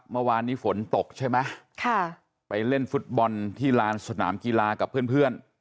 เมื่อวานนี้ฝนตกใช่ไหมค่ะไปเล่นฟุตบอลที่ลานสนามกีฬากับเพื่อนเพื่อน